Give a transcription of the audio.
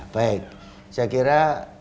baik saya kira